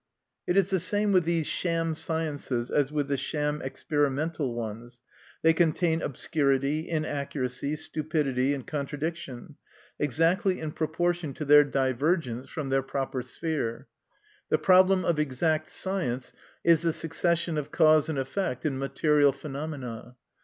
It is the same with these sham sciences as with the sham experimental ones ; they contain obscurity, inaccuracy, stupidity, and contradic tion, exactly in proportion to their divergence 48 MY CONFESSION. from their proper sphere. The problem of exact science is the succession of cause and effect in material phenomena.